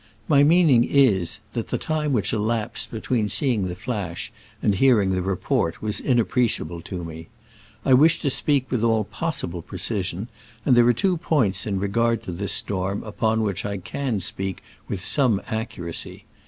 My meaning is, that the time which elapsed between seeing the flash and hearing the report was inappreciable to me. I wish to speak with all possible precision, and there are two points in regard to this storm upon which I can speak with some accuracy.